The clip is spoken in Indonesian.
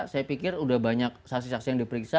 saya pikir sudah banyak saksi saksi yang diperiksa